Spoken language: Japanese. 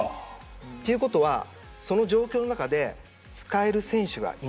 ということは、その状況で使える選手がいなかった。